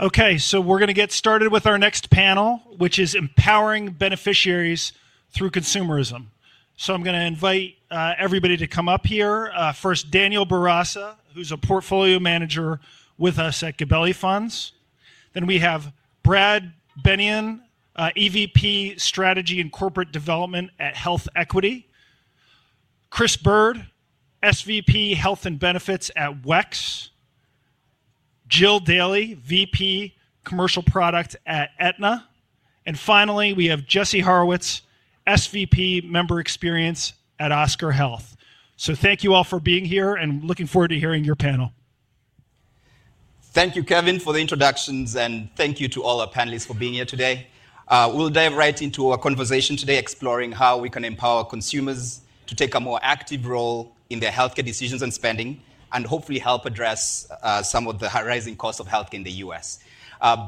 Okay, so we're going to get started with our next panel, which is Empowering Beneficiaries Through Consumerism. I'm going to invite everybody to come up here. First, Daniel Barasa, who's a portfolio manager with us at Gabelli Funds. Then we have Brad Bennion, EVP Strategy and Corporate Development at HealthEquity, Chris Byrd, SVP Health and Benefits at WEX, Jill Dailey, VP, Commercial Product at Aetna. Finally, we have Jesse Horowitz, SVP Member Experience at Oscar Health. Thank you all for being here, and looking forward to hearing your panel. Thank you, Kevin, for the introductions, and thank you to all our panelists for being here today. We'll dive right into our conversation today, exploring how we can empower consumers to take a more active role in their healthcare decisions and spending, and hopefully help address some of the rising costs of healthcare in the U.S.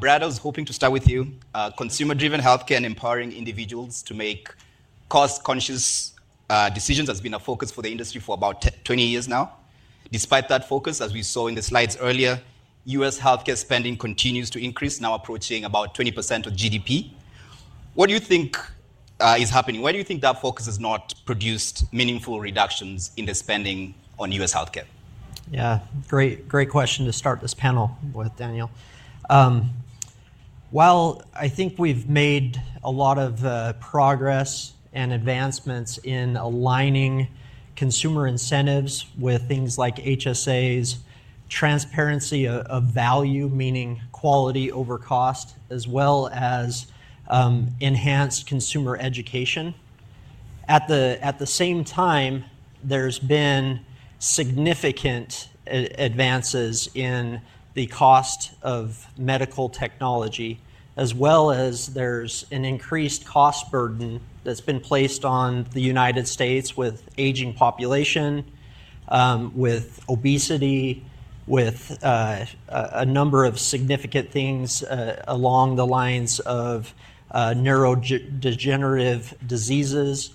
Brad, I was hoping to start with you. Consumer-driven healthcare and empowering individuals to make cost-conscious decisions has been a focus for the industry for about 20 years now. Despite that focus, as we saw in the slides earlier, U.S. healthcare spending continues to increase, now approaching about 20% of GDP. What do you think is happening? Why do you think that focus has not produced meaningful reductions in the spending on U.S. healthcare? Yeah, great question to start this panel with, Daniel. While I think we've made a lot of progress and advancements in aligning consumer incentives with things like HSAs, transparency of value, meaning quality over cost, as well as enhanced consumer education, at the same time, there's been significant advances in the cost of medical technology, as well as there's an increased cost burden that's been placed on the United States with aging population, with obesity, with a number of significant things along the lines of neurodegenerative diseases.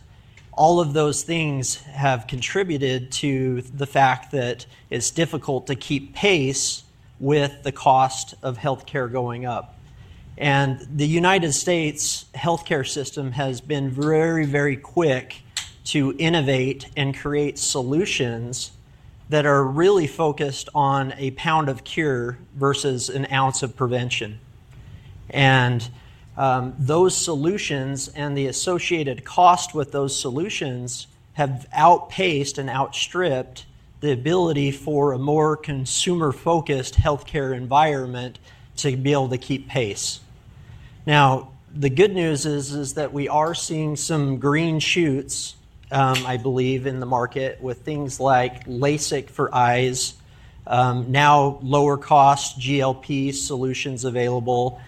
All of those things have contributed to the fact that it's difficult to keep pace with the cost of healthcare going up. The United States healthcare system has been very, very quick to innovate and create solutions that are really focused on a pound of cure versus an ounce of prevention. Those solutions and the associated cost with those solutions have outpaced and outstripped the ability for a more consumer-focused healthcare environment to be able to keep pace. The good news is that we are seeing some green shoots, I believe, in the market with things like LASIK for eyes, now lower-cost GLP-1 solutions available,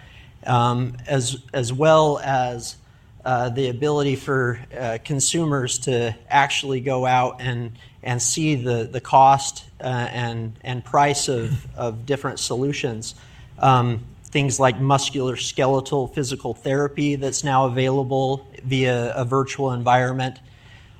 as well as the ability for consumers to actually go out and see the cost and price of different solutions. Things like musculoskeletal physical therapy that is now available via a virtual environment.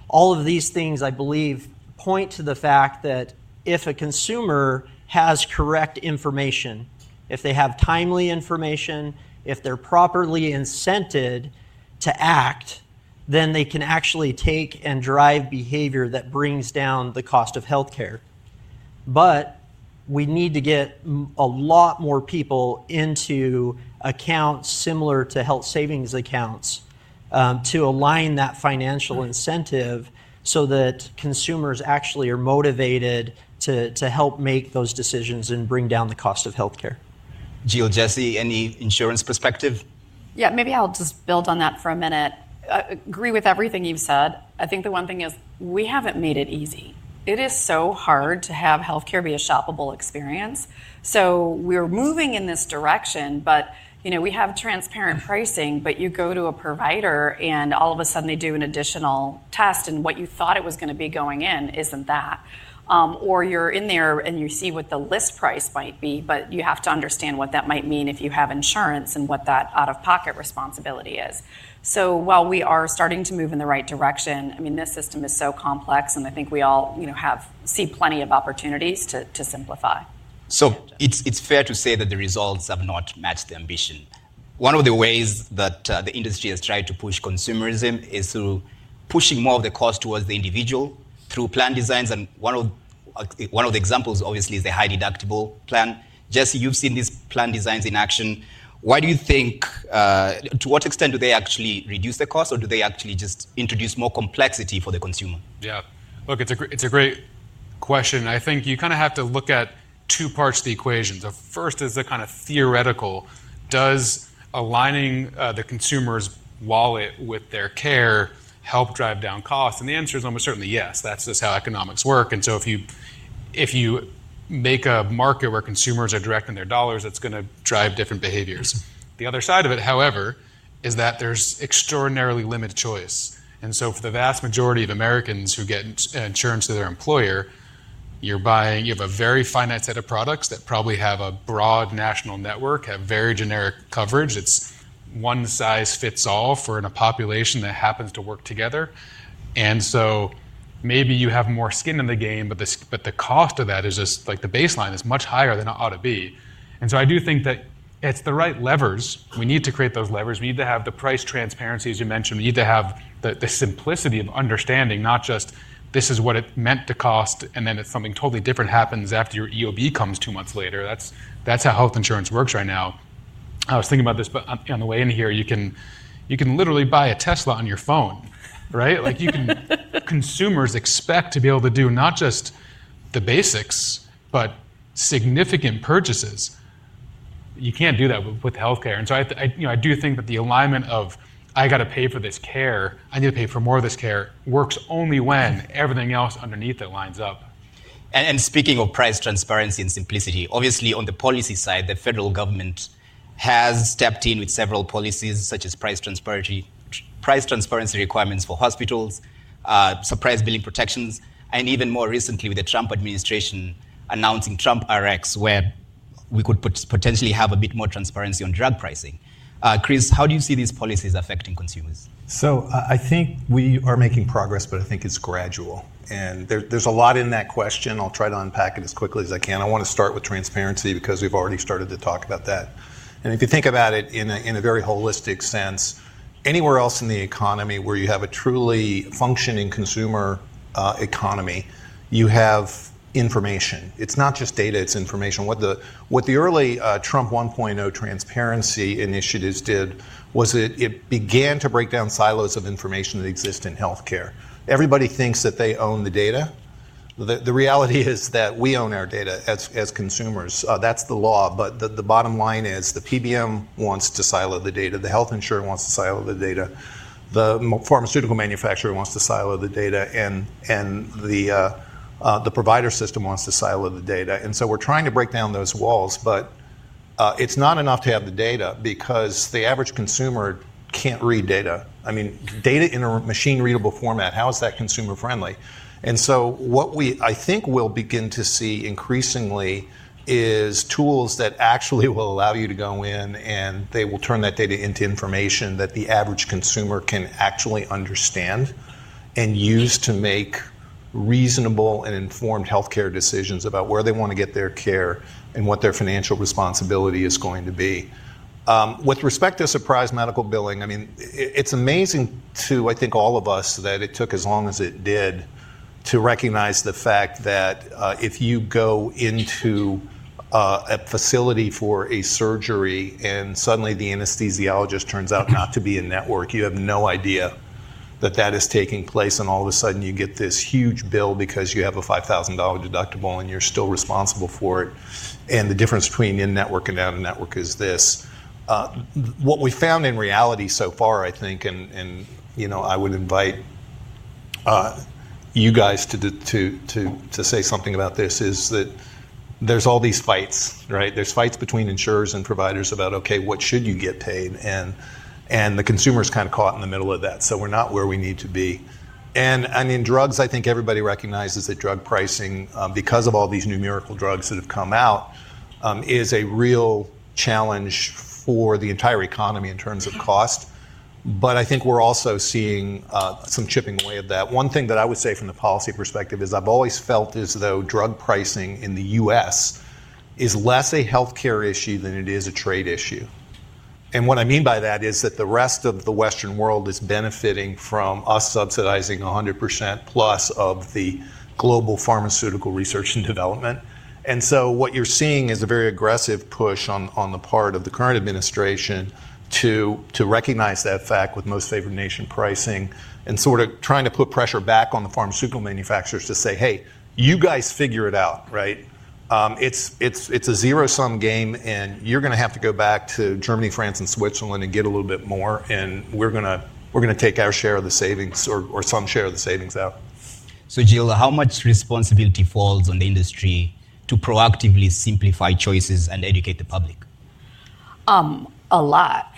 All of these things, I believe, point to the fact that if a consumer has correct information, if they have timely information, if they are properly incented to act, then they can actually take and drive behavior that brings down the cost of healthcare. We need to get a lot more people into accounts similar to health savings accounts to align that financial incentive so that consumers actually are motivated to help make those decisions and bring down the cost of healthcare. Jill, Jesse, any insurance perspective? Yeah, maybe I'll just build on that for a minute. I agree with everything you've said. I think the one thing is we haven't made it easy. It is so hard to have healthcare be a shoppable experience. We're moving in this direction, but we have transparent pricing, but you go to a provider and all of a sudden they do an additional test and what you thought it was going to be going in isn't that. Or you're in there and you see what the list price might be, but you have to understand what that might mean if you have insurance and what that out-of-pocket responsibility is. While we are starting to move in the right direction, I mean, this system is so complex and I think we all see plenty of opportunities to simplify. It's fair to say that the results have not matched the ambition. One of the ways that the industry has tried to push consumerism is through pushing more of the cost towards the individual through plan designs. One of the examples, obviously, is the high-deductible plan. Jesse, you've seen these plan designs in action. Why do you think, to what extent do they actually reduce the cost or do they actually just introduce more complexity for the consumer? Yeah, look, it's a great question. I think you kind of have to look at two parts of the equation. The first is the kind of theoretical. Does aligning the consumer's wallet with their care help drive down costs? And the answer is almost certainly yes. That's just how economics work. If you make a market where consumers are directing their dollars, it's going to drive different behaviors. The other side of it, however, is that there's extraordinarily limited choice. For the vast majority of Americans who get insurance through their employer, you have a very finite set of products that probably have a broad national network, have very generic coverage. It's one-size-fits-all for a population that happens to work together. Maybe you have more skin in the game, but the cost of that is just like the baseline is much higher than it ought to be. I do think that it's the right levers. We need to create those levers. We need to have the price transparency, as you mentioned. We need to have the simplicity of understanding, not just this is what it meant to cost and then something totally different happens after your EOB comes two months later. That's how health insurance works right now. I was thinking about this, but on the way in here, you can literally buy a Tesla on your phone, right? Consumers expect to be able to do not just the basics, but significant purchases. You can't do that with healthcare. I do think that the alignment of I got to pay for this care, I need to pay for more of this care, works only when everything else underneath it lines up. Speaking of price transparency and simplicity, obviously on the policy side, the federal government has stepped in with several policies such as price transparency requirements for hospitals, surprise billing protections, and even more recently with the Trump administration announcing TrumpRx, where we could potentially have a bit more transparency on drug pricing. Chris, how do you see these policies affecting consumers? I think we are making progress, but I think it's gradual. There's a lot in that question. I'll try to unpack it as quickly as I can. I want to start with transparency because we've already started to talk about that. If you think about it in a very holistic sense, anywhere else in the economy where you have a truly functioning consumer economy, you have information. It's not just data, it's information. What the early Trump 1.0 transparency initiatives did was it began to break down silos of information that exist in healthcare. Everybody thinks that they own the data. The reality is that we own our data as consumers. That's the law. The bottom line is the PBM wants to silo the data, the health insurer wants to silo the data, the pharmaceutical manufacturer wants to silo the data, and the provider system wants to silo the data. We are trying to break down those walls, but it is not enough to have the data because the average consumer cannot read data. I mean, data in a machine-readable format, how is that consumer-friendly? What I think we will begin to see increasingly is tools that actually will allow you to go in and they will turn that data into information that the average consumer can actually understand and use to make reasonable and informed healthcare decisions about where they want to get their care and what their financial responsibility is going to be. With respect to surprise medical billing, I mean, it's amazing to, I think, all of us that it took as long as it did to recognize the fact that if you go into a facility for a surgery and suddenly the anesthesiologist turns out not to be in network, you have no idea that that is taking place. All of a sudden you get this huge bill because you have a $5,000 deductible and you're still responsible for it. The difference between in-network and out-of-network is this. What we found in reality so far, I think, and I would invite you guys to say something about this, is that there's all these fights, right? There's fights between insurers and providers about, okay, what should you get paid? The consumer's kind of caught in the middle of that. We're not where we need to be. I mean, drugs, I think everybody recognizes that drug pricing, because of all these numerical drugs that have come out, is a real challenge for the entire economy in terms of cost. I think we're also seeing some chipping away at that. One thing that I would say from the policy perspective is I've always felt as though drug pricing in the U.S. is less a healthcare issue than it is a trade issue. What I mean by that is that the rest of the Western world is benefiting from us subsidizing 100% plus of the global pharmaceutical research and development. What you're seeing is a very aggressive push on the part of the current administration to recognize that fact with most favored nation pricing and sort of trying to put pressure back on the pharmaceutical manufacturers to say, hey, you guys figure it out, right? It's a zero-sum game and you're going to have to go back to Germany, France, and Switzerland and get a little bit more, and we're going to take our share of the savings or some share of the savings out. Jill, how much responsibility falls on the industry to proactively simplify choices and educate the public? A lot.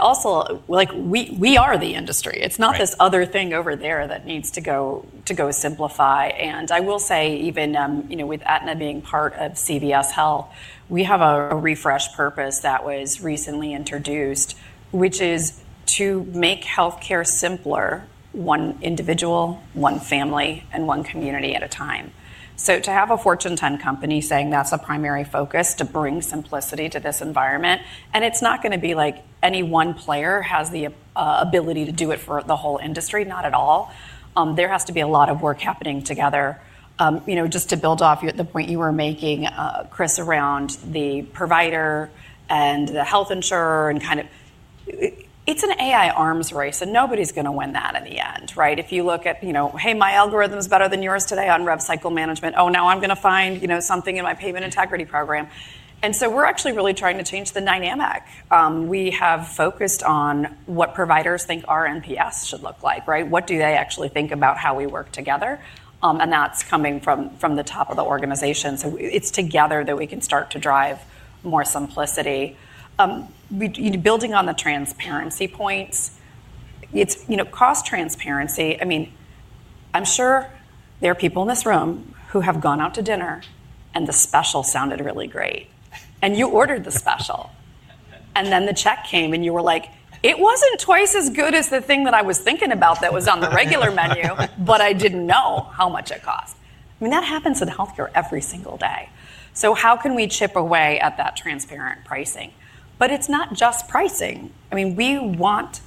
Also, we are the industry. It is not this other thing over there that needs to go simplify. I will say even with Aetna being part of CVS Health, we have a refreshed purpose that was recently introduced, which is to make healthcare simpler, one individual, one family, and one community at a time. To have a Fortune 10 company saying that is a primary focus to bring simplicity to this environment, it is not going to be like any one player has the ability to do it for the whole industry, not at all. There has to be a lot of work happening together just to build off the point you were making, Chris, around the provider and the health insurer and kind of it is an AI arms race and nobody is going to win that in the end, right? If you look at, hey, my algorithm is better than yours today on rev cycle management, oh now I'm going to find something in my payment integrity program. We are actually really trying to change the dynamic. We have focused on what providers think our NPS should look like, right? What do they actually think about how we work together? That is coming from the top of the organization. It is together that we can start to drive more simplicity. Building on the transparency points, it is cost transparency. I mean, I'm sure there are people in this room who have gone out to dinner and the special sounded really great. You ordered the special. Then the check came and you were like, it wasn't twice as good as the thing that I was thinking about that was on the regular menu, but I didn't know how much it cost. I mean, that happens in healthcare every single day. How can we chip away at that transparent pricing? It's not just pricing. I mean, we want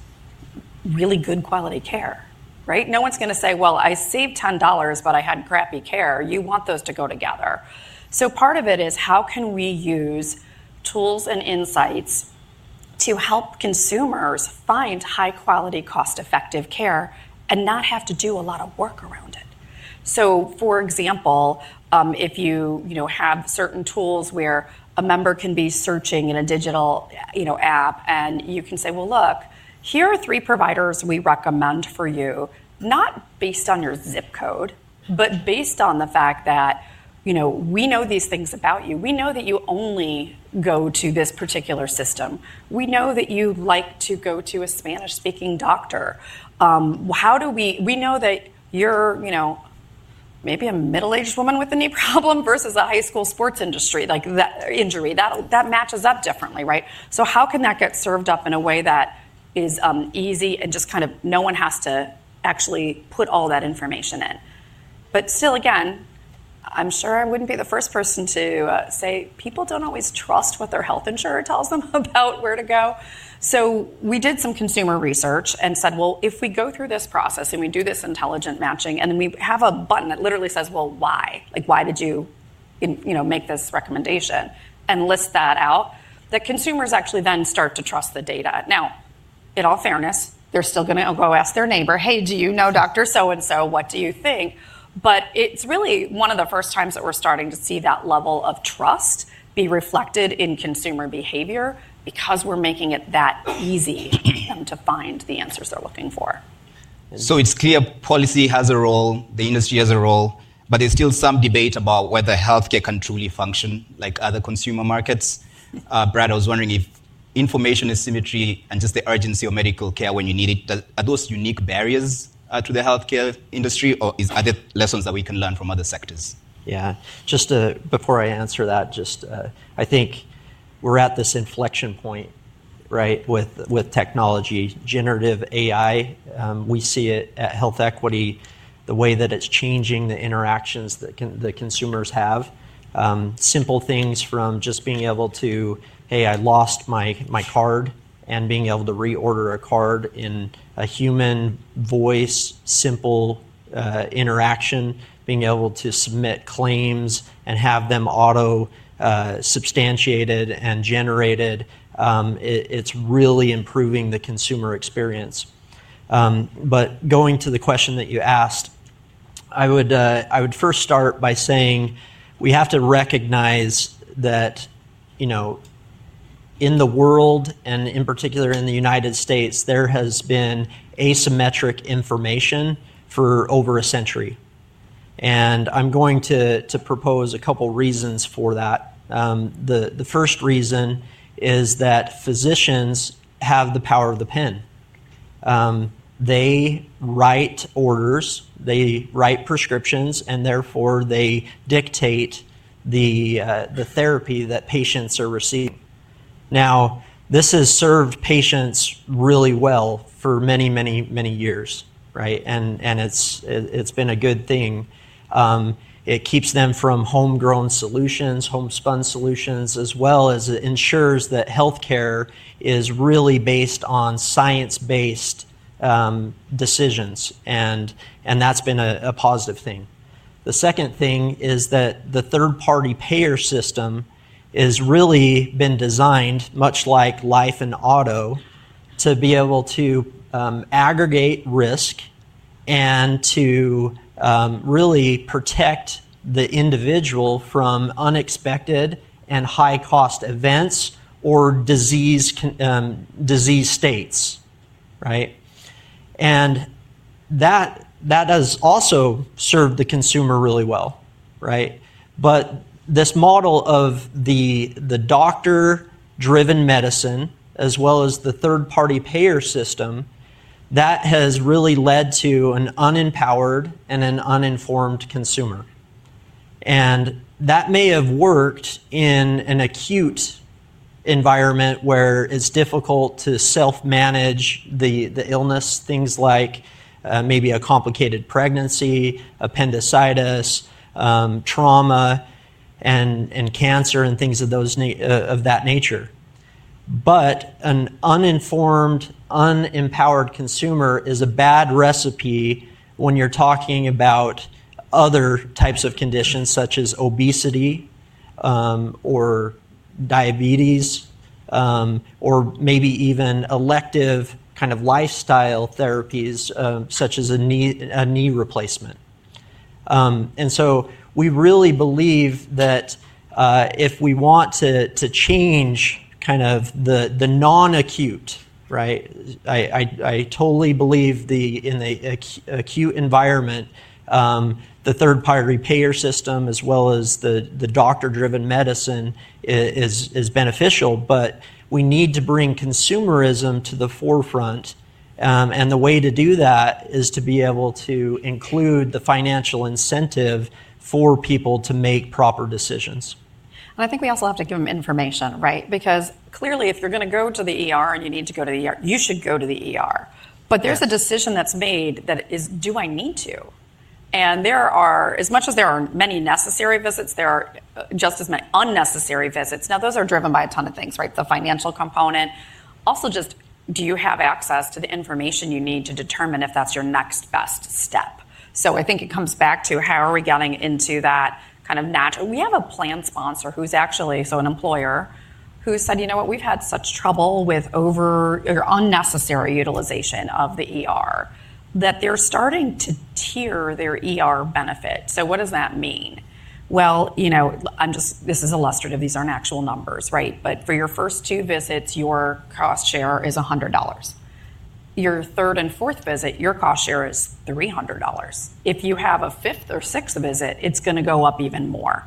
really good quality care, right? No one's going to say, well, I saved $10, but I had crappy care. You want those to go together. Part of it is how can we use tools and insights to help consumers find high-quality, cost-effective care and not have to do a lot of work around it. For example, if you have certain tools where a member can be searching in a digital app and you can say, well, look, here are three providers we recommend for you, not based on your zip code, but based on the fact that we know these things about you. We know that you only go to this particular system. We know that you like to go to a Spanish-speaking doctor. We know that you're maybe a middle-aged woman with a knee problem versus a high school sports industry injury. That matches up differently, right? How can that get served up in a way that is easy and just kind of no one has to actually put all that information in? Still, again, I'm sure I wouldn't be the first person to say people don't always trust what their health insurer tells them about where to go. We did some consumer research and said, well, if we go through this process and we do this intelligent matching and then we have a button that literally says, well, why? Why did you make this recommendation? And list that out, the consumers actually then start to trust the data. Now, in all fairness, they're still going to go ask their neighbor, hey, do you know Dr. So-and-So? What do you think? It is really one of the first times that we're starting to see that level of trust be reflected in consumer behavior because we're making it that easy for them to find the answers they're looking for. It's clear policy has a role, the industry has a role, but there's still some debate about whether healthcare can truly function like other consumer markets. Brad, I was wondering if information asymmetry and just the urgency of medical care when you need it, are those unique barriers to the healthcare industry or are there lessons that we can learn from other sectors? Yeah, just before I answer that, just I think we're at this inflection point, right, with technology, generative AI. We see it at HealthEquity, the way that it's changing the interactions that the consumers have. Simple things from just being able to, hey, I lost my card and being able to reorder a card in a human voice, simple interaction, being able to submit claims and have them auto-substantiated and generated. It's really improving the consumer experience. Going to the question that you asked, I would first start by saying we have to recognize that in the world and in particular in the United States, there has been asymmetric information for over a century. I'm going to propose a couple of reasons for that. The first reason is that physicians have the power of the pen. They write orders, they write prescriptions, and therefore they dictate the therapy that patients are receiving. Now, this has served patients really well for many, many, many years, right? It has been a good thing. It keeps them from homegrown solutions, home-spun solutions, as well as it ensures that healthcare is really based on science-based decisions. That has been a positive thing. The second thing is that the third-party payer system has really been designed much like life and auto to be able to aggregate risk and to really protect the individual from unexpected and high-cost events or disease states, right? That has also served the consumer really well, right? This model of the doctor-driven medicine, as well as the third-party payer system, has really led to an unempowered and an uninformed consumer. That may have worked in an acute environment where it's difficult to self-manage the illness, things like maybe a complicated pregnancy, appendicitis, trauma, cancer, and things of that nature. An uninformed, unempowered consumer is a bad recipe when you're talking about other types of conditions such as obesity or diabetes or maybe even elective kind of lifestyle therapies such as a knee replacement. We really believe that if we want to change kind of the non-acute, right? I totally believe in the acute environment, the third-party payer system as well as the doctor-driven medicine is beneficial, but we need to bring consumerism to the forefront. The way to do that is to be able to include the financial incentive for people to make proper decisions. I think we also have to give them information, right? Because clearly if you're going to go to the and you need to go to the you should go to the. There's a decision that's made that is, do I need to? As much as there are many necessary visits, there are just as many unnecessary visits. Those are driven by a ton of things, right? The financial component. Also just do you have access to the information you need to determine if that's your next best step? I think it comes back to how are we getting into that kind of natural? We have a plan sponsor who's actually an employer who said, you know what, we've had such trouble with over or unnecessary utilization of the that they're starting to tier their benefit. What does that mean? This is illustrative. These aren't actual numbers, right? For your first two visits, your cost share is $100. Your third and fourth visit, your cost share is $300. If you have a fifth or sixth visit, it's going to go up even more.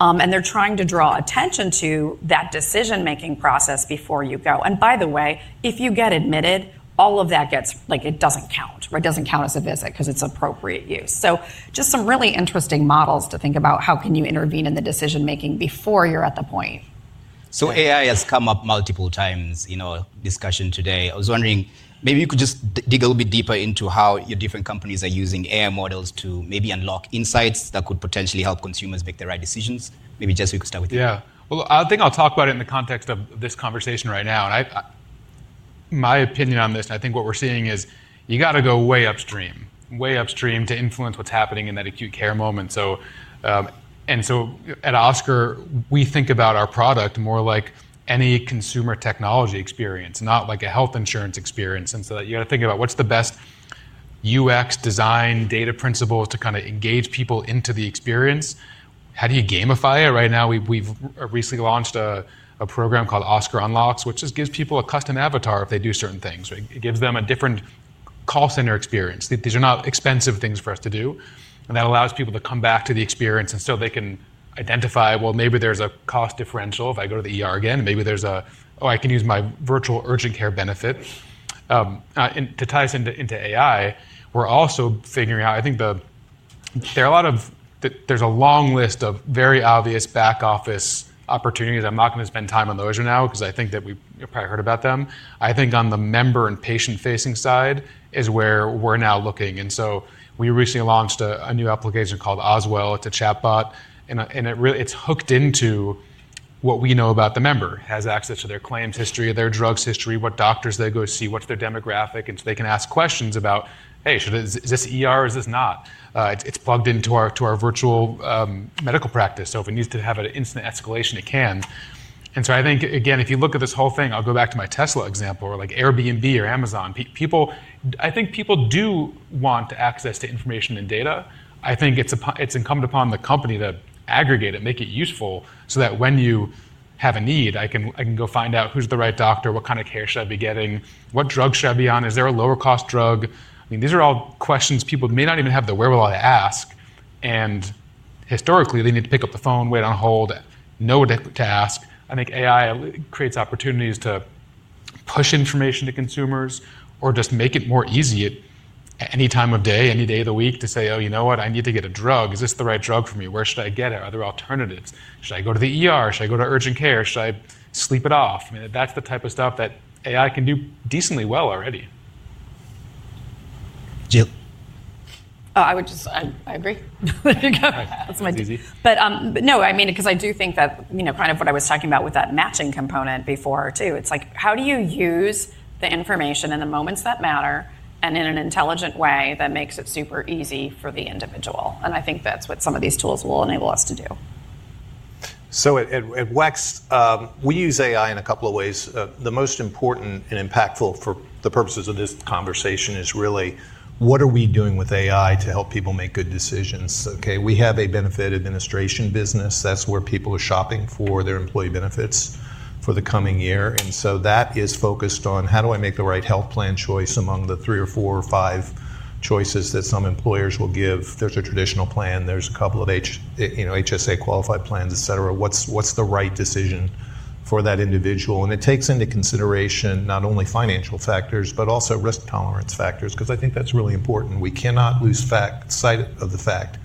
They're trying to draw attention to that decision-making process before you go. By the way, if you get admitted, all of that gets, like, it doesn't count, right? It doesn't count as a visit because it's appropriate use. Just some really interesting models to think about how you can intervene in the decision-making before you're at the point. AI has come up multiple times in our discussion today. I was wondering, maybe you could just dig a little bit deeper into how your different companies are using AI models to maybe unlock insights that could potentially help consumers make the right decisions. Maybe Jesse we could start with you. Yeah. I think I'll talk about it in the context of this conversation right now. My opinion on this, and I think what we're seeing is you got to go way upstream, way upstream to influence what's happening in that acute care moment. At Oscar, we think about our product more like any consumer technology experience, not like a health insurance experience. You got to think about what's the best UX design data principle to kind of engage people into the experience. How do you gamify it? Right now, we've recently launched a program called Oscar Unlocks, which just gives people a custom avatar if they do certain things. It gives them a different call center experience. These are not expensive things for us to do. That allows people to come back to the experience and so they can identify, well, maybe there's a cost differential if I go to the ER again. Maybe there's a, oh, I can use my virtual urgent care benefit. To tie us into AI, we're also figuring out, I think there are a lot of, there's a long list of very obvious back office opportunities. I'm not going to spend time on those right now because I think that we probably heard about them. I think on the member and patient-facing side is where we're now looking. We recently launched a new application called Oswell. It's a chatbot. It's hooked into what we know about the member, has access to their claims history, their drugs history, what doctors they go see, what's their demographic. They can ask questions about, hey, is this ER? Is this not? It is plugged into our virtual medical practice. If it needs to have an instant escalation, it can. I think, again, if you look at this whole thing, I will go back to my Tesla example or like Airbnb or Amazon. I think people do want access to information and data. I think it is incumbent upon the company to aggregate it, make it useful so that when you have a need, I can go find out who is the right doctor, what kind of care should I be getting, what drug should I be on, is there a lower-cost drug? I mean, these are all questions people may not even have the wherewithal to ask. Historically, they need to pick up the phone, wait on hold, know what to ask. I think AI creates opportunities to push information to consumers or just make it more easy at any time of day, any day of the week to say, oh, you know what, I need to get a drug. Is this the right drug for me? Where should I get it? Are there alternatives? Should I go to urgent care? Should I sleep it off? I mean, that's the type of stuff that AI can do decently well already. Jill. Oh, I would just, I agree. There you go. That's my take. No, I mean, because I do think that kind of what I was talking about with that matching component before too, it's like how do you use the information in the moments that matter and in an intelligent way that makes it super easy for the individual? I think that's what some of these tools will enable us to do. At WEX, we use AI in a couple of ways. The most important and impactful for the purposes of this conversation is really what are we doing with AI to help people make good decisions? We have a benefit administration business. That's where people are shopping for their employee benefits for the coming year. That is focused on how do I make the right health plan choice among the three or four or five choices that some employers will give. There's a traditional plan, there's a couple of HSA qualified plans, et cetera. What's the right decision for that individual? It takes into consideration not only financial factors, but also risk tolerance factors because I think that's really important. We cannot lose sight of the fact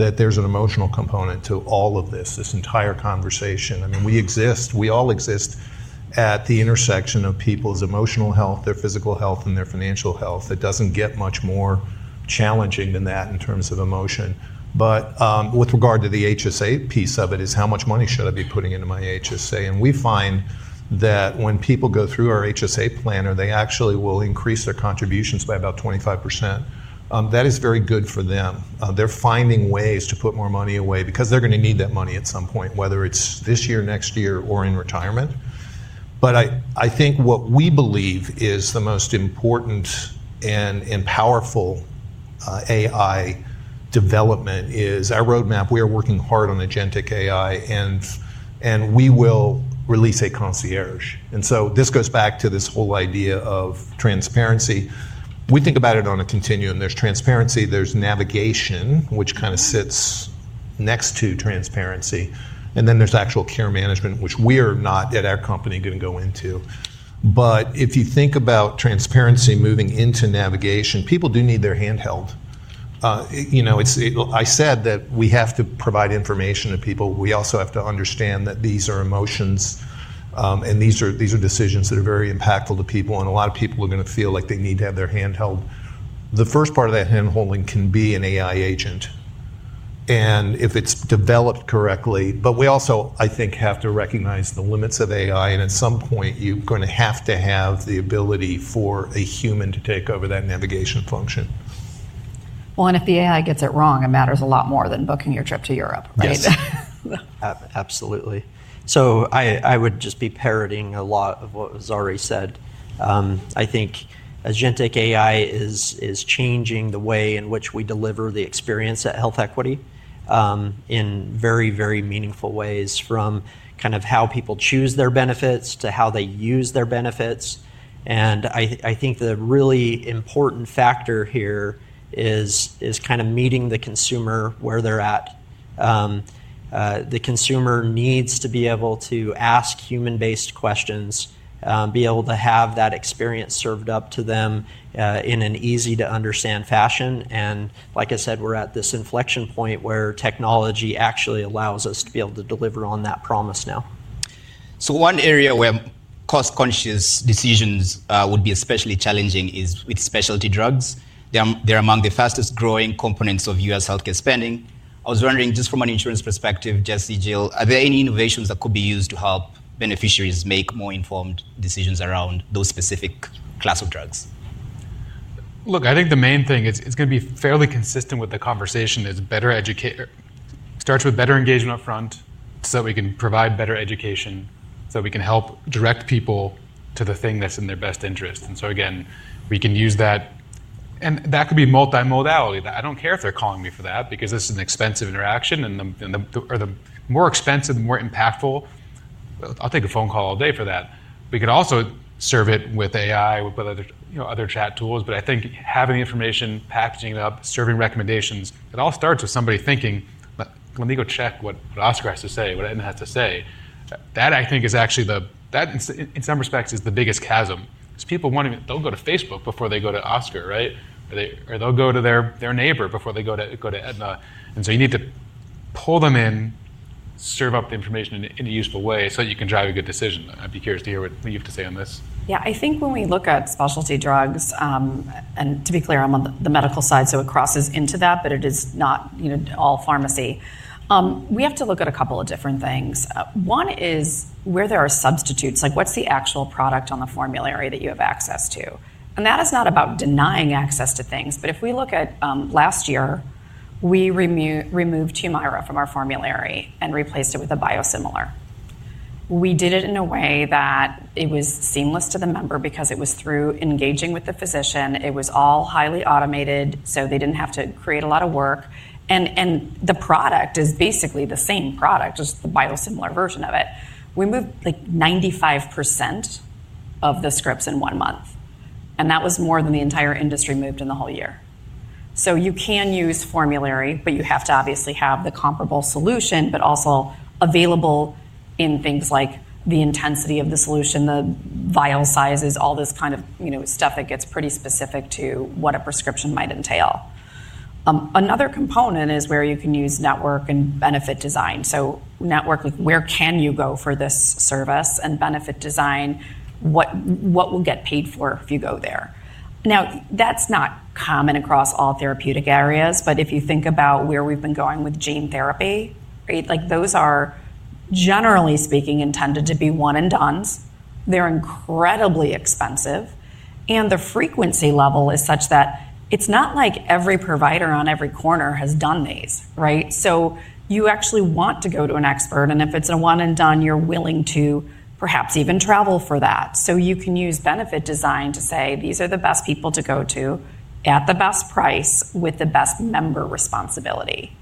that there's an emotional component to all of this, this entire conversation. I mean, we exist, we all exist at the intersection of people's emotional health, their physical health, and their financial health. It does not get much more challenging than that in terms of emotion. With regard to the HSA piece of it, it is how much money should I be putting into my HSA? We find that when people go through our HSA planner, they actually will increase their contributions by about 25%. That is very good for them. They are finding ways to put more money away because they are going to need that money at some point, whether it is this year, next year, or in retirement. I think what we believe is the most important and powerful AI development is our roadmap. We are working hard on agentic AI and we will release a concierge. This goes back to this whole idea of transparency. We think about it on a continuum. There is transparency, there is navigation, which kind of sits next to transparency. Then there is actual care management, which we are not at our company going to go into. If you think about transparency moving into navigation, people do need their hand held. I said that we have to provide information to people. We also have to understand that these are emotions and these are decisions that are very impactful to people. A lot of people are going to feel like they need to have their hand held. The first part of that handholding can be an AI agent if it is developed correctly. We also, I think, have to recognize the limits of AI and at some point you are going to have to have the ability for a human to take over that navigation function. If the AI gets it wrong, it matters a lot more than booking your trip to Europe, right? Absolutely. I would just be parroting a lot of what was already said. I think agentic AI is changing the way in which we deliver the experience at HealthEquity in very, very meaningful ways from kind of how people choose their benefits to how they use their benefits. I think the really important factor here is kind of meeting the consumer where they're at. The consumer needs to be able to ask human-based questions, be able to have that experience served up to them in an easy-to-understand fashion. Like I said, we're at this inflection point where technology actually allows us to be able to deliver on that promise now. One area where cost-conscious decisions would be especially challenging is with specialty drugs. They're among the fastest-growing components of U.S. healthcare spending. I was wondering just from an insurance perspective, Jesse, Jill, are there any innovations that could be used to help beneficiaries make more informed decisions around those specific class of drugs? Look, I think the main thing is it's going to be fairly consistent with the conversation. It starts with better engagement upfront so that we can provide better education so that we can help direct people to the thing that's in their best interest. Again, we can use that. That could be multimodality. I don't care if they're calling me for that because this is an expensive interaction and the more expensive, the more impactful, I'll take a phone call all day for that. We could also serve it with AI, with other chat tools. I think having the information, packaging it up, serving recommendations, it all starts with somebody thinking, let me go check what Oscar has to say, what Aetna has to say. That I think is actually the, in some respects, is the biggest chasm because people want to, they'll go to Facebook before they go to Oscar, right? Or they'll go to their neighbor before they go to Aetna. You need to pull them in, serve up the information in a useful way so that you can drive a good decision. I'd be curious to hear what you have to say on this. Yeah, I think when we look at specialty drugs, and to be clear, I'm on the medical side, so it crosses into that, but it is not all pharmacy. We have to look at a couple of different things. One is where there are substitutes, like what's the actual product on the formulary that you have access to? That is not about denying access to things, but if we look at last year, we removed Humira from our formulary and replaced it with a biosimilar. We did it in a way that it was seamless to the member because it was through engaging with the physician. It was all highly automated so they did not have to create a lot of work. The product is basically the same product, just the biosimilar version of it. We moved like 95% of the scripts in one month. That was more than the entire industry moved in the whole year. You can use formulary, but you have to obviously have the comparable solution, but also available in things like the intensity of the solution, the vial sizes, all this kind of stuff that gets pretty specific to what a prescription might entail. Another component is where you can use network and benefit design. Network, where can you go for this service and benefit design, what will get paid for if you go there? That is not common across all therapeutic areas, but if you think about where we have been going with gene therapy, those are generally speaking intended to be one-and-dones. They are incredibly expensive. The frequency level is such that it is not like every provider on every corner has done these, right? You actually want to go to an expert. If it is a one-and-done, you are willing to perhaps even travel for that. You can use benefit design to say, these are the best people to go to at the best price with the best member responsibility.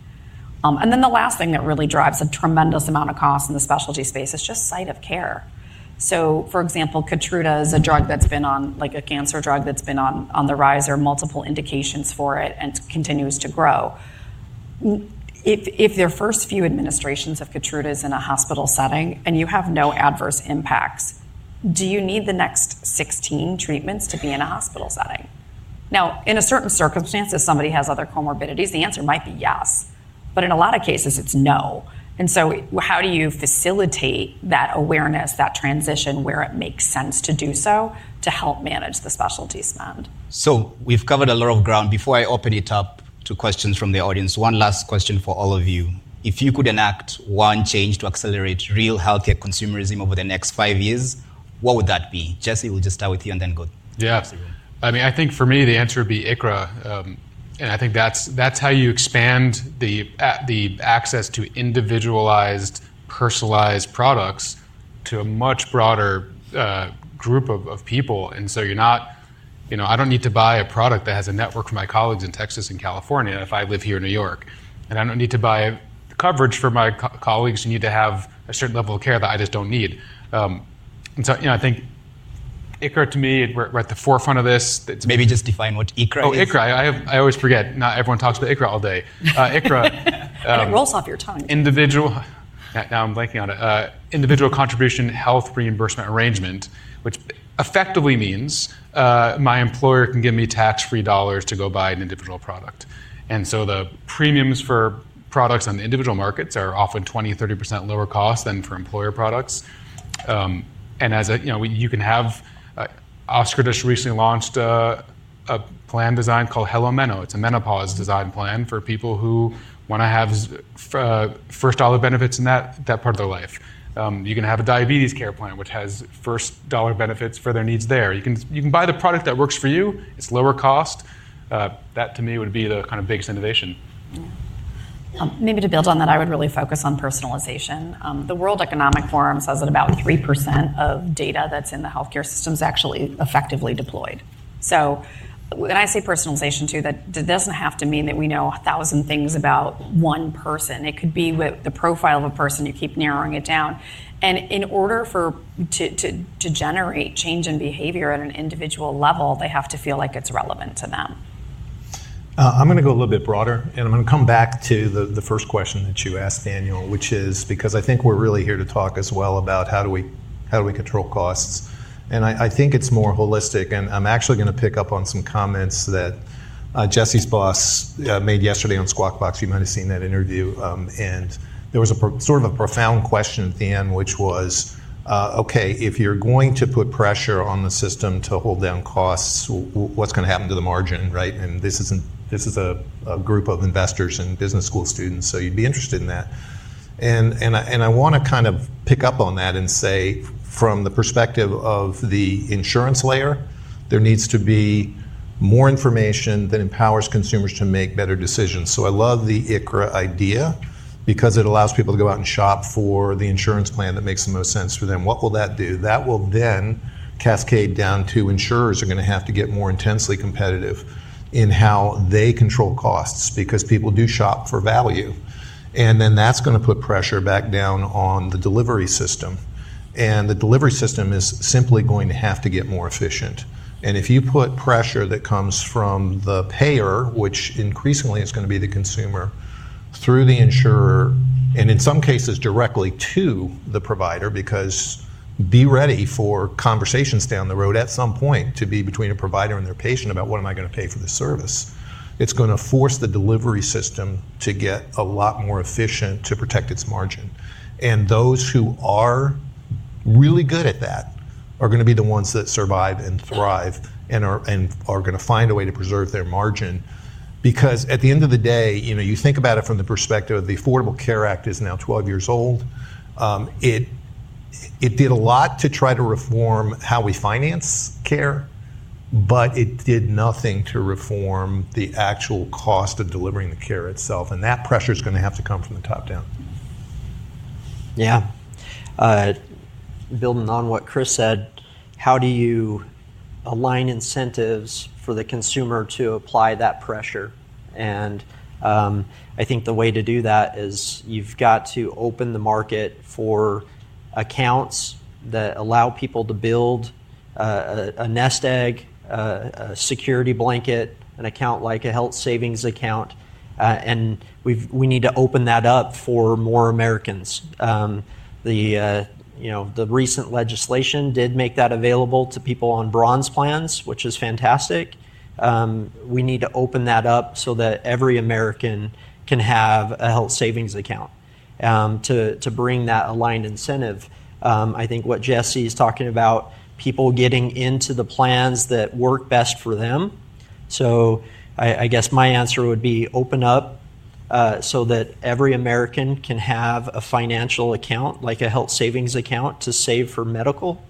The last thing that really drives a tremendous amount of cost in the specialty space is just site of care. For example, Keytruda is a drug, like a cancer drug, that has been on the rise, or multiple indications for it, and continues to grow. If the first few administrations of Keytruda are in a hospital setting and you have no adverse impacts, do you need the next 16 treatments to be in a hospital setting? In a certain circumstance, if somebody has other comorbidities, the answer might be yes. In a lot of cases, it is no. How do you facilitate that awareness, that transition where it makes sense to do so to help manage the specialty spend? We've covered a lot of ground. Before I open it up to questions from the audience, one last question for all of you. If you could enact one change to accelerate real healthcare consumerism over the next five years, what would that be? Jesse, we'll just start with you and then go. Yeah, absolutely. I mean, I think for me, the answer would be ICHRA. And I think that's how you expand the access to individualized, personalized products to a much broader group of people. You are not, I do not need to buy a product that has a network for my colleagues in Texas and California if I live here in New York. I do not need to buy coverage for my colleagues who need to have a certain level of care that I just do not need. I think ICHRA to me, we are at the forefront of this. Maybe just define what ICHRA is. Oh, ICHRA. I always forget. Not everyone talks about ICHRA all day. ICHRA. It rolls off your tongue. Individual, now I'm blanking on it, Individual Contribution Health Reimbursement Arrangement, which effectively means my employer can give me tax-free dollars to go buy an individual product. The premiums for products on the individual markets are often 20%-30% lower cost than for employer products. You can have, Oscar just recently launched a plan design called HelloMeno. It's a menopause design plan for people who want to have first dollar benefits in that part of their life. You can have a diabetes care plan, which has first dollar benefits for their needs there. You can buy the product that works for you. It's lower cost. That to me would be the kind of biggest innovation. Maybe to build on that, I would really focus on personalization. The World Economic Forum says that about 3% of data that's in the healthcare system is actually effectively deployed. When I say personalization too, that doesn't have to mean that we know a thousand things about one person. It could be with the profile of a person, you keep narrowing it down. In order for it to generate change in behavior at an individual level, they have to feel like it's relevant to them. I'm going to go a little bit broader, and I'm going to come back to the first question that you asked, Daniel, which is because I think we're really here to talk as well about how do we control costs. I think it's more holistic. I'm actually going to pick up on some comments that Jesse's boss made yesterday on Squawk Box. You might have seen that interview. There was a sort of a profound question at the end, which was, okay, if you're going to put pressure on the system to hold down costs, what's going to happen to the margin, right? This is a group of investors and business school students, so you'd be interested in that. I want to kind of pick up on that and say from the perspective of the insurance layer, there needs to be more information that empowers consumers to make better decisions. I love the ICHRA idea because it allows people to go out and shop for the insurance plan that makes the most sense for them. What will that do? That will then cascade down to insurers are going to have to get more intensely competitive in how they control costs because people do shop for value. That is going to put pressure back down on the delivery system. The delivery system is simply going to have to get more efficient. If you put pressure that comes from the payer, which increasingly is going to be the consumer, through the insurer, and in some cases directly to the provider, because be ready for conversations down the road at some point to be between a provider and their patient about what am I going to pay for the service, it's going to force the delivery system to get a lot more efficient to protect its margin. Those who are really good at that are going to be the ones that survive and thrive and are going to find a way to preserve their margin. Because at the end of the day, you think about it from the perspective of the Affordable Care Act is now 12 years old. It did a lot to try to reform how we finance care, but it did nothing to reform the actual cost of delivering the care itself. That pressure is going to have to come from the top down. Yeah. Building on what Chris said, how do you align incentives for the consumer to apply that pressure? I think the way to do that is you've got to open the market for accounts that allow people to build a nest egg, a security blanket, an account like a health savings account. We need to open that up for more Americans. The recent legislation did make that available to people on bronze plans, which is fantastic. We need to open that up so that every American can have a health savings account to bring that aligned incentive. I think what Jesse is talking about, people getting into the plans that work best for them. I guess my answer would be open up so that every American can have a financial account, like a health savings account to save for medical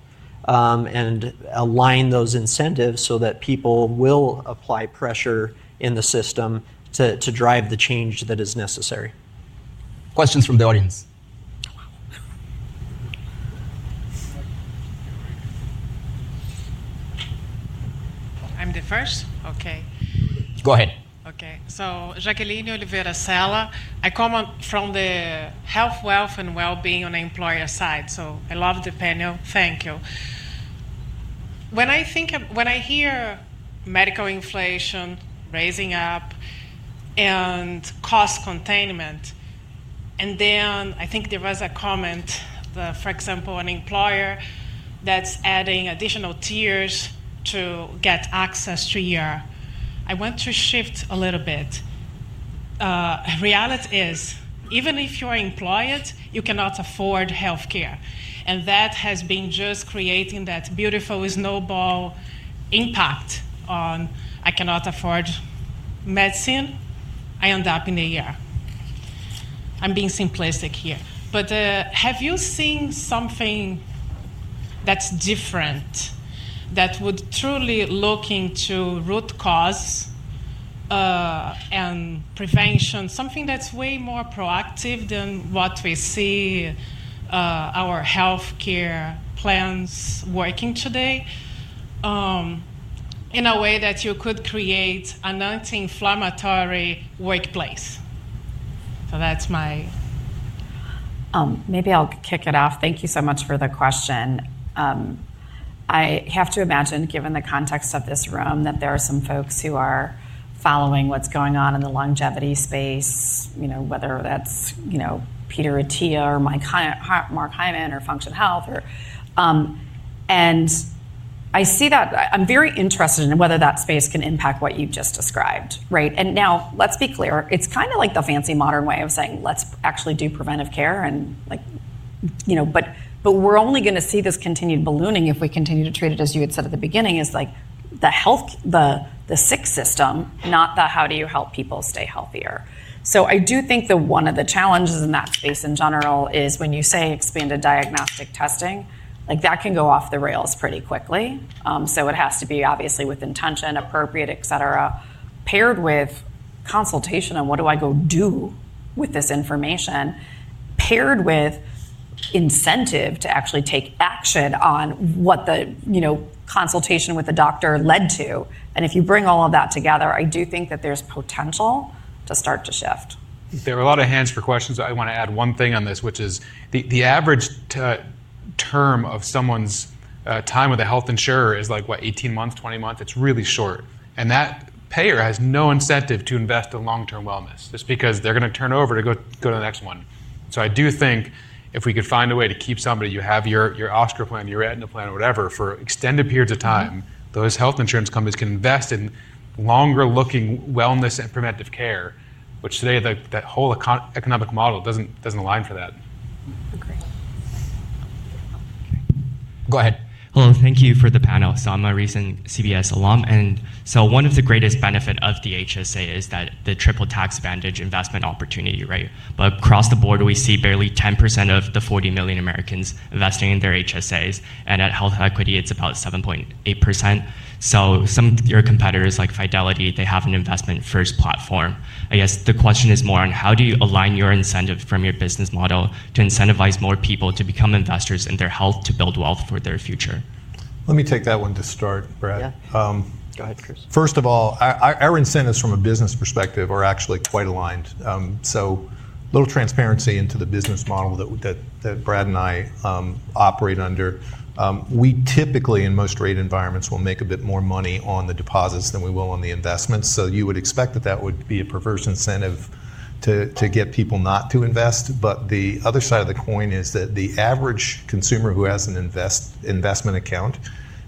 and align those incentives so that people will apply pressure in the system to drive the change that is necessary. Questions from the audience. I'm the first? Okay. Go ahead. Okay. Jaqueline Olivera-Cella, I come from the health, wealth, and well-being on the employer side. I love the panel. Thank you. When I think, when I hear medical inflation rising up and cost containment, and then I think there was a comment, for example, an employer that's adding additional tiers to get access to your, I want to shift a little bit. Reality is, even if you are employed, you cannot afford healthcare. That has been just creating that beautiful snowball impact on, I cannot afford medicine, I end up in a year. I'm being simplistic here. Have you seen something that's different that would truly look into root cause and prevention, something that's way more proactive than what we see our healthcare plans working today in a way that you could create an anti-inflammatory workplace? That's my. Maybe I'll kick it off. Thank you so much for the question. I have to imagine, given the context of this room, that there are some folks who are following what's going on in the longevity space, whether that's Peter Attia or Mark Hyman or Functional Health. I see that I'm very interested in whether that space can impact what you've just described, right? Now let's be clear, it's kind of like the fancy modern way of saying, let's actually do preventive care. We're only going to see this continued ballooning if we continue to treat it, as you had said at the beginning, as like the health, the sick system, not the how do you help people stay healthier. I do think that one of the challenges in that space in general is when you say expanded diagnostic testing, that can go off the rails pretty quickly. It has to be obviously with intention, appropriate, et cetera, paired with consultation and what do I go do with this information, paired with incentive to actually take action on what the consultation with the doctor led to. If you bring all of that together, I do think that there's potential to start to shift. There are a lot of hands for questions. I want to add one thing on this, which is the average term of someone's time with a health insurer is like what, 18 months, 20 months? It's really short. That payer has no incentive to invest in long-term wellness just because they're going to turn over to go to the next one. I do think if we could find a way to keep somebody, you have your Oscar plan, your Aetna plan, or whatever for extended periods of time, those health insurance companies can invest in longer looking wellness and preventive care, which today that whole economic model doesn't align for that. Go ahead. Hello, thank you for the panel. I'm a recent CBS alum. One of the greatest benefits of the HSA is the triple tax advantage investment opportunity, right? Across the board, we see barely 10% of the 40 million Americans investing in their HSAs. At HealthEquity, it's about 7.8%. Some of your competitors like Fidelity have an investment-first platform. I guess the question is more on how do you align your incentive from your business model to incentivize more people to become investors in their health to build wealth for their future? Let me take that one to start, Brad. Yeah. Go ahead, Chris. First of all, our incentives from a business perspective are actually quite aligned. A little transparency into the business model that Brad and I operate under. We typically, in most rate environments, will make a bit more money on the deposits than we will on the investments. You would expect that that would be a perverse incentive to get people not to invest. The other side of the coin is that the average consumer who has an investment account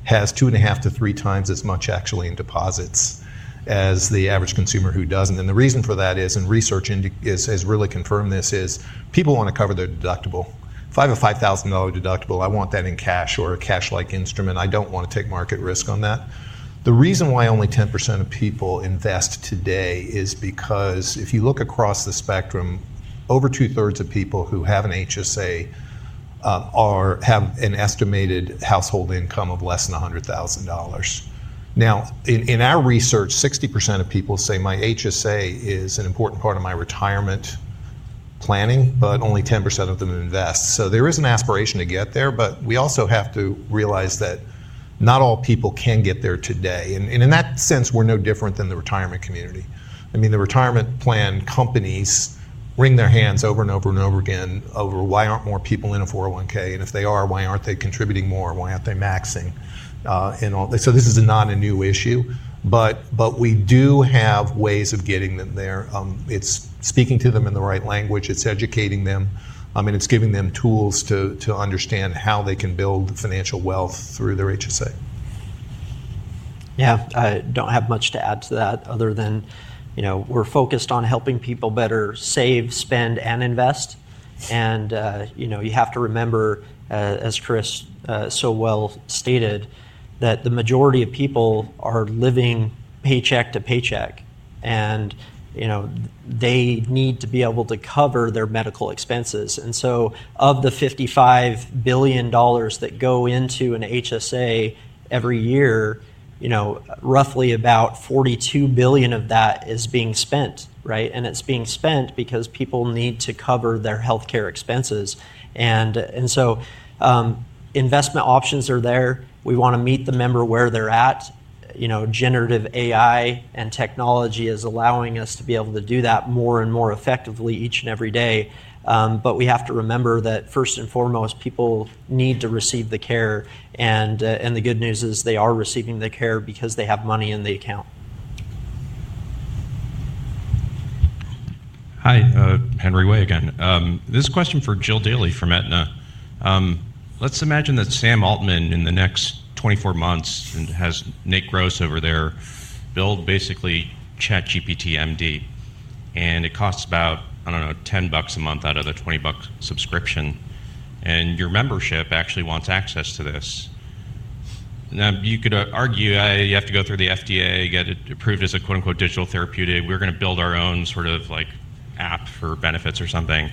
has two and a half to three times as much actually in deposits as the average consumer who does not. The reason for that is, and research has really confirmed this, people want to cover their deductible. If I have a $5,000 deductible, I want that in cash or a cash-like instrument. I do not want to take market risk on that. The reason why only 10% of people invest today is because if you look across the spectrum, over 2/3s of people who have an HSA have an estimated household income of less than $100,000. Now, in our research, 60% of people say my HSA is an important part of my retirement planning, but only 10% of them invest. There is an aspiration to get there, but we also have to realize that not all people can get there today. In that sense, we're no different than the retirement community. I mean, the retirement plan companies wring their hands over and over and over again over why aren't more people in a 401(k)? If they are, why aren't they contributing more? Why aren't they maxing? This is not a new issue, but we do have ways of getting them there. It's speaking to them in the right language. It's educating them. I mean, it's giving them tools to understand how they can build financial wealth through their HSA. Yeah. I do not have much to add to that other than we are focused on helping people better save, spend, and invest. You have to remember, as Chris so well stated, that the majority of people are living paycheck to paycheck, and they need to be able to cover their medical expenses. Of the $55 billion that go into an HSA every year, roughly about $42 billion of that is being spent, right? It is being spent because people need to cover their healthcare expenses. Investment options are there. We want to meet the member where they are at. Generative AI and technology is allowing us to be able to do that more and more effectively each and every day. We have to remember that first and foremost, people need to receive the care. The good news is they are receiving the care because they have money in the account. Hi, Henry Wei again. This is a question for Jill Dailey from Aetna. Let's imagine that Sam Altman in the next 24 months and has Nate Gross over there, build basically ChatGPT MD. And it costs about, I don't know, $10 a month out of the $20 subscription. And your membership actually wants access to this. Now, you could argue you have to go through the FDA, get it approved as a quote-unquote digital therapeutic. We're going to build our own sort of app for benefits or something.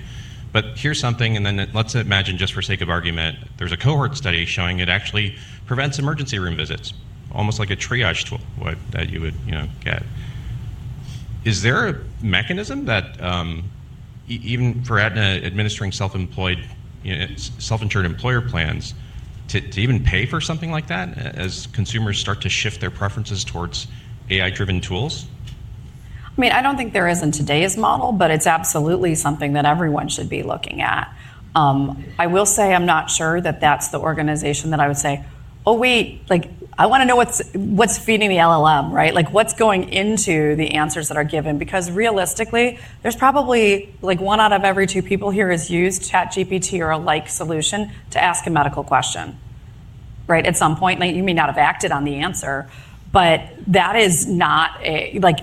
Here's something, and then let's imagine just for sake of argument, there's a cohort study showing it actually prevents emergency room visits, almost like a triage tool that you would get. Is there a mechanism that even for Aetna administering self-insured employer plans to even pay for something like that as consumers start to shift their preferences towards AI-driven tools? I mean, I do not think there is in today's model, but it is absolutely something that everyone should be looking at. I will say I am not sure that that is the organization that I would say, "Oh, wait, I want to know what is feeding the LLM," right? Like what is going into the answers that are given? Because realistically, there is probably one out of every two people here has used ChatGPT or a like solution to ask a medical question, right? At some point, you may not have acted on the answer, but that is not that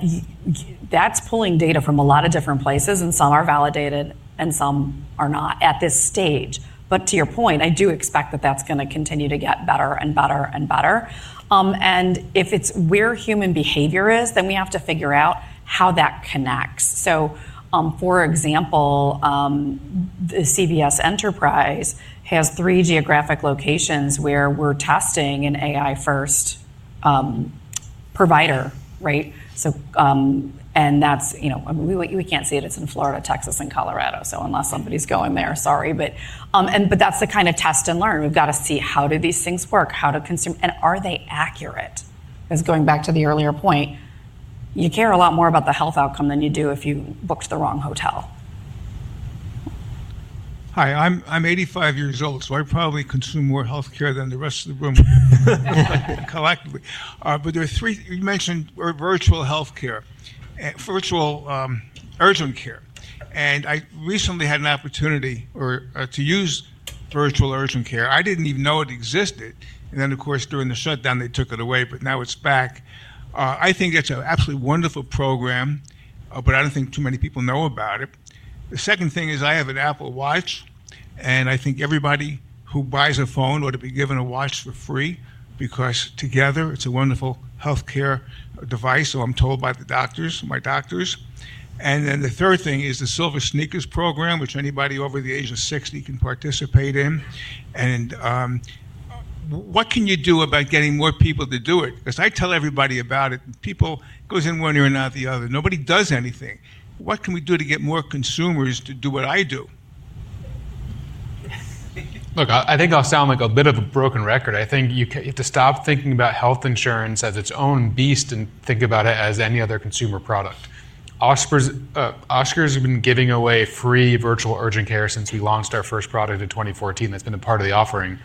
is pulling data from a lot of different places, and some are validated and some are not at this stage. To your point, I do expect that that is going to continue to get better and better and better. If it is where human behavior is, then we have to figure out how that connects. For example, the CVS Enterprise has three geographic locations where we're testing an AI-first provider, right? That's, we can't see it. It's in Florida, Texas, and Colorado. Unless somebody's going there, sorry. That's the kind of test and learn. We've got to see how do these things work, how to consume, and are they accurate? Because going back to the earlier point, you care a lot more about the health outcome than you do if you booked the wrong hotel. Hi, I'm 85 years old, so I probably consume more healthcare than the rest of the room collectively. There are three, you mentioned virtual healthcare, Virtual Urgent Care. I recently had an opportunity to use Virtual Urgent Care. I didn't even know it existed. During the shutdown, they took it away, but now it's back. I think it's an absolutely wonderful program, but I don't think too many people know about it. The second thing is I have an Apple Watch, and I think everybody who buys a phone ought to be given a watch for free because together it's a wonderful healthcare device, so I'm told by the doctors, my doctors. The third thing is the SilverSneakers program, which anybody over the age of 60 can participate in. What can you do about getting more people to do it? Because I tell everybody about it, people goes in one ear and out the other. Nobody does anything. What can we do to get more consumers to do what I do? Look, I think I'll sound like a bit of a broken record. I think you have to stop thinking about health insurance as its own beast and think about it as any other consumer product. Oscar has been giving away free virtual urgent care since we launched our first product in 2014. That's been a part of the offering.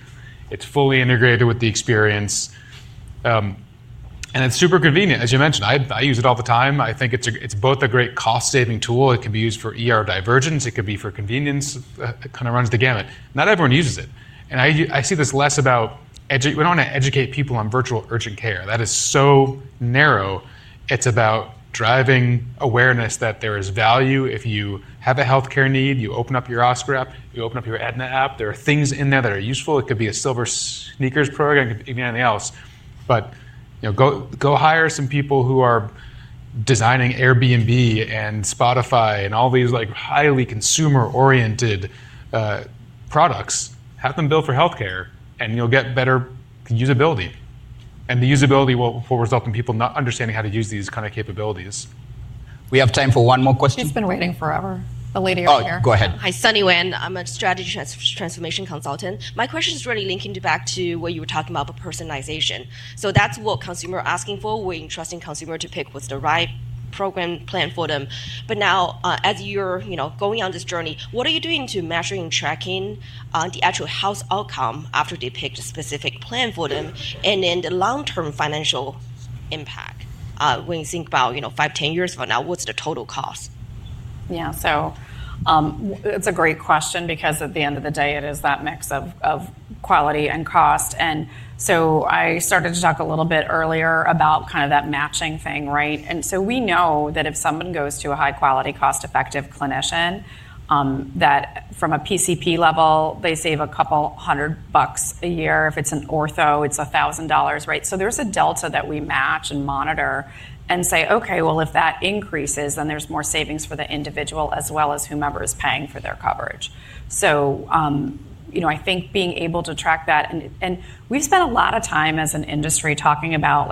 It's fully integrated with the experience. It's super convenient. As you mentioned, I use it all the time. I think it's both a great cost-saving tool. It can be used for divergence. It could be for convenience. It kind of runs the gamut. Not everyone uses it. I see this less about we don't want to educate people on virtual urgent care. That is so narrow. It's about driving awareness that there is value. If you have a healthcare need, you open up your Oscar app, you open up your Aetna app, there are things in there that are useful. It could be a SilverSneakers program, it could be anything else. Go hire some people who are designing Airbnb and Spotify and all these highly consumer-oriented products. Have them build for healthcare and you'll get better usability. The usability will result in people not understanding how to use these kinds of capabilities. We have time for one more question. She's been waiting forever. The lady over here. Oh, go ahead. Hi, Sunny Wen. I'm a strategy transformation consultant. My question is really linking back to what you were talking about with personalization. That's what consumers are asking for. We're interested in consumers to pick what's the right program plan for them. Now, as you're going on this journey, what are you doing to measure and track the actual health outcome after they picked a specific plan for them and then the long-term financial impact? When you think about 5, 10 years from now, what's the total cost? Yeah, so it's a great question because at the end of the day, it is that mix of quality and cost. I started to talk a little bit earlier about kind of that matching thing, right? We know that if someone goes to a high-quality, cost-effective clinician, that from a PCP level, they save a couple hundred bucks a year. If it's an ortho, it's $1,000, right? There's a delta that we match and monitor and say, "Okay, well, if that increases, then there's more savings for the individual as well as whomever is paying for their coverage." I think being able to track that, and we've spent a lot of time as an industry talking about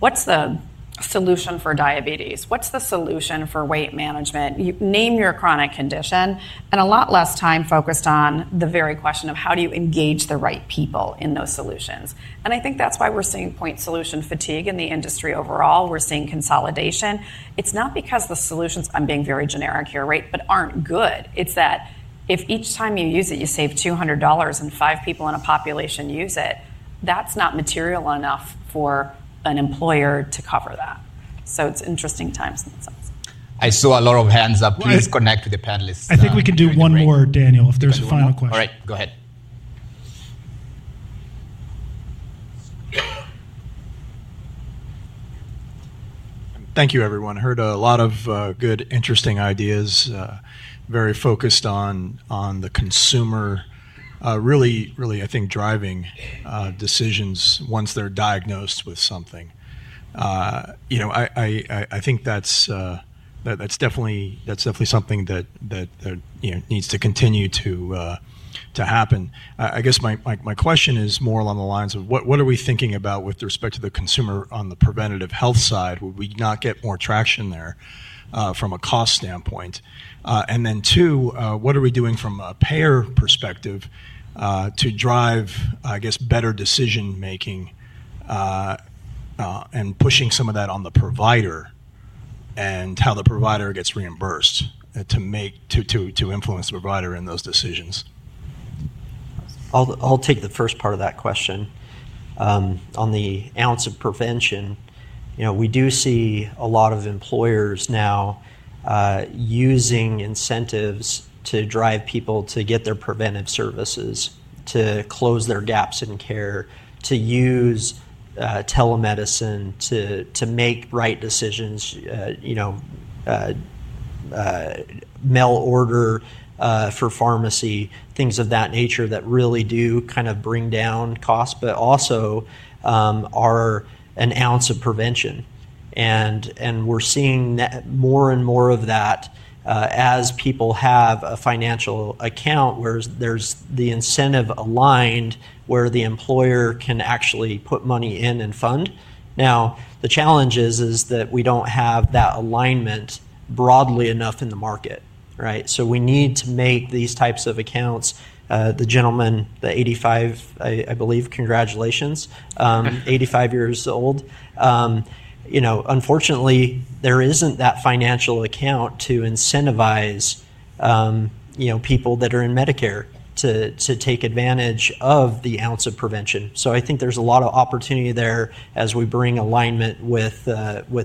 what's the solution for diabetes? What's the solution for weight management? Name your chronic condition and a lot less time focused on the very question of how do you engage the right people in those solutions. I think that's why we're seeing point solution fatigue in the industry overall. We're seeing consolidation. It's not because the solutions, I'm being very generic here, right, but aren't good. It's that if each time you use it, you save $200 and five people in a population use it, that's not material enough for an employer to cover that. It's interesting times in themselves. I saw a lot of hands up. Please connect to the panelists. I think we can do one more, Daniel, if there's a final question. All right, go ahead. Thank you, everyone. Heard a lot of good, interesting ideas, very focused on the consumer, really, really, I think, driving decisions once they're diagnosed with something. I think that's definitely something that needs to continue to happen. I guess my question is more along the lines of what are we thinking about with respect to the consumer on the preventative health side? Would we not get more traction there from a cost standpoint? And then two, what are we doing from a payer perspective to drive, I guess, better decision-making and pushing some of that on the provider and how the provider gets reimbursed to influence the provider in those decisions? I'll take the first part of that question. On the ounce of prevention, we do see a lot of employers now using incentives to drive people to get their preventive services, to close their gaps in care, to use telemedicine to make right decisions, mail order for pharmacy, things of that nature that really do kind of bring down costs, but also are an ounce of prevention. We are seeing more and more of that as people have a financial account where there is the incentive aligned where the employer can actually put money in and fund. Now, the challenge is that we do not have that alignment broadly enough in the market, right? We need to make these types of accounts. The gentleman, the 85, I believe, congratulations, 85 years old. Unfortunately, there isn't that financial account to incentivize people that are in Medicare to take advantage of the ounce of prevention. I think there's a lot of opportunity there as we bring alignment with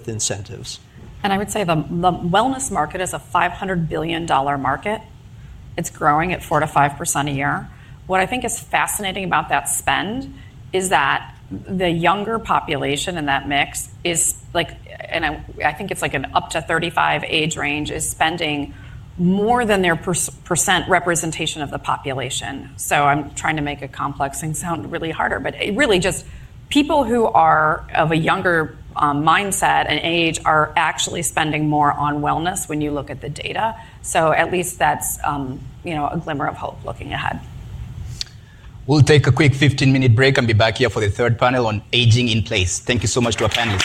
incentives. I would say the wellness market is a $500 billion market. It is growing at 4%-5% a year. What I think is fascinating about that spend is that the younger population in that mix is, and I think it is like an up to 35 age range, is spending more than their percent representation of the population. I am trying to make a complex thing sound really harder, but really just people who are of a younger mindset and age are actually spending more on wellness when you look at the data. At least that is a glimmer of hope looking ahead. We'll take a quick 15-minute break and be back here for the third panel on Aging in Place. Thank you so much to our panelists.